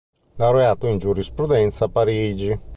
Laureato in giurisprudenza a Parigi.